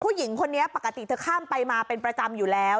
ผู้หญิงคนนี้ปกติเธอข้ามไปมาเป็นประจำอยู่แล้ว